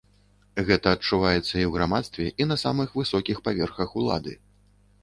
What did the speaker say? Гэта адчуваецца і ў грамадстве, і на самых высокіх паверхах улады.